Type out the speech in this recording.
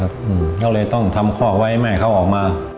ก็เลยต้องทำข้อไว้ให้แม่เขาออกมา